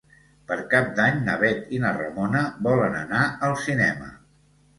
Per Cap d'Any na Bet i na Ramona volen anar al cinema.